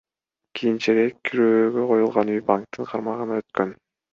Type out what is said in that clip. Кийинчерээк күрөөгө коюлган үй банктын карамагына өткөн.